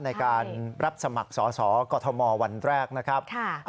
ในการรับสมัครสอสอกอทมวันแรกนะครับ